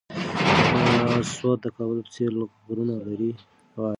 ایا سوات د کابل په څېر غرونه لري؟